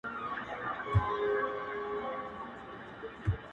دا مېنه د پښتو ده څوک به ځي څوک به راځي!